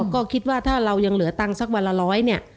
ก็คิดว่าถ้าเรายังเหลือตังค์สักวันละร้อยเนี่ย